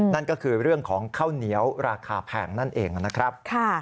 นั่นก็คือเรื่องของข้าวเหนียวราคาแพงนั่นเองนะครับ